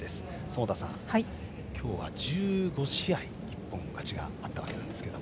園田さん、今日は１５試合一本勝ちがあったわけですが。